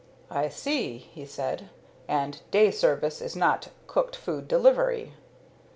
"I see," he said, "and 'day service' is not 'cooked food delivery.'"